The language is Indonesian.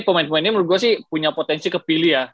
pemain pemainnya menurut gue sih punya potensi kepilih ya